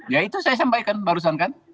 ya itu saya sampaikan barusan kan